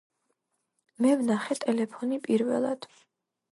მე ვნახე ტელეფონი პირველად